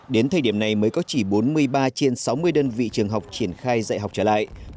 đến thời điểm này mới có chỉ bốn mươi ba trên sáu mươi đơn vị trường học triển khai dạy học trở lại